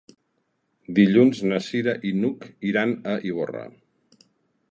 Dilluns na Cira i n'Hug iran a Ivorra.